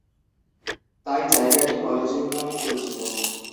তাই জায়গাটি college road নামেই পরিচিত।